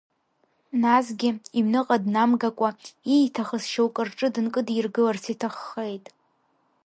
Насгьы, иҩныҟа днамгакәа, ииҭахыз шьоукы рҿы дынкыдиргыларц иҭаххеит.